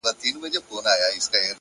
پوه انسان د حقیقت لټون نه پرېږدي!